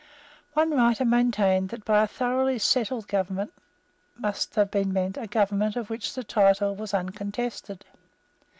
One writer maintained that by a thoroughly settled government must have been meant a government of which the title was uncontested.